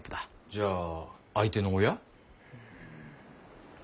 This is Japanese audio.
じゃあ相手の親？